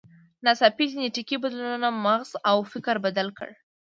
ناڅاپي جینټیکي بدلونونو مغز او فکر بدل کړل.